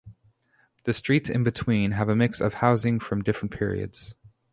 The streets in between have a mix of housing from different periods.